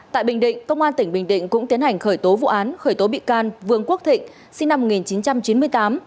tại bình định công an tỉnh bình định cũng tiến hành khởi tố vụ án khởi tố bị can vương quốc thịnh sinh năm một nghìn chín trăm chín mươi tám